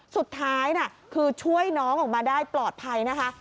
สุดท้ายคือช่วยน้องออกมาได้ปลอดภัยนะคะ